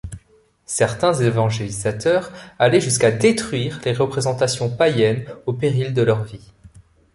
Certains évangélisateurs allaient jusqu'à détruire les représentations païennes au péril de leur vie.